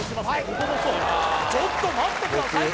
ここもそうちょっと待ってください